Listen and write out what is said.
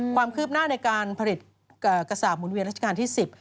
ความคืบหน้าในการผลิตกระสาปหมุนเวียนราชการที่๑๐